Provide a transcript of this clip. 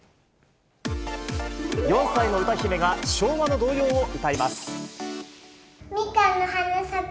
４歳の歌姫が昭和の童謡を歌います。